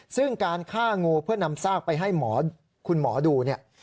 ซึ่งการฆ่างูเพื่อนำซากไปให้หมอคุณหมอดูเนี่ย